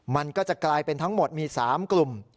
มันก็จะกลายเป็นทั้งหมดมี๓กลุ่ม